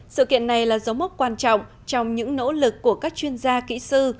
sự kiện này là dấu mốc quan trọng trong những nỗ lực của các chuyên gia kỹ sư